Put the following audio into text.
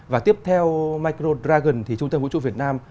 và tiếp theo micro dragon thì trung tâm vũ trụ việt nam